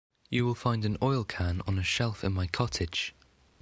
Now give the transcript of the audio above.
You will find an oil-can on a shelf in my cottage.